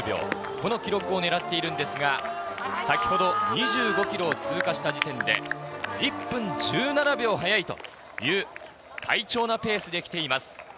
この記録を狙っているんですが、先ほど２５キロを通過した時点で、１分１７秒速いという快調なペースできています。